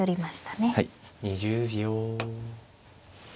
２０秒。